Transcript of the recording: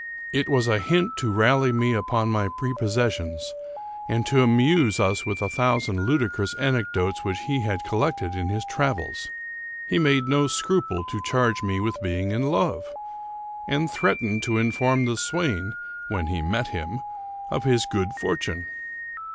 It was a hint to rally me upon my prepossessions, and to amuse us with a thousand ludicrous anecdotes which he had col lected in his travels. He made no scruple to charge me with being in love ; and threatened to inform the swain, when he met him, of his good fortune.